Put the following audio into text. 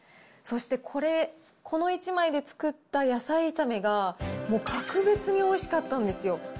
そして、これ、この１枚で作った野菜炒めが、格別においしかったんですよ。